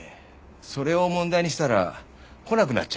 それを問題にしたら来なくなっちゃいました。